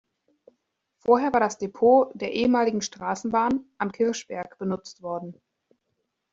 Vorher war das Depot der ehemaligen Straßenbahn am Kirschberg benutzt worden.